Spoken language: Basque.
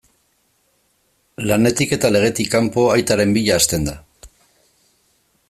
Lanetik eta legetik kanpo, aitaren bila hasten da.